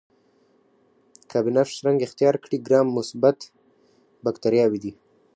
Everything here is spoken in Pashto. که بنفش رنګ اختیار کړي ګرام مثبت باکتریاوې دي.